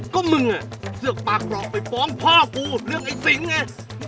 ก็มึงเสือกปากปลาไปฟ้องพ่อกูเรื่องไอ้สิงห์ไง